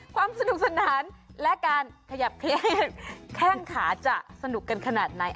ความสนุกสนานและการขยับเครียดแข้งขาจะสนุกกันขนาดไหน